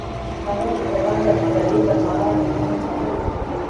هغه د ځلانده پسرلی پر مهال د مینې خبرې وکړې.